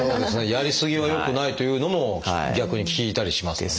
やり過ぎはよくないというのも逆に聞いたりしますもんね。